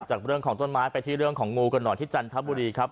จากเรื่องของต้นไม้ไปที่เรื่องของงูกันหน่อยที่จันทบุรีครับ